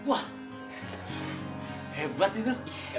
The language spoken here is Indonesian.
wah hebat itu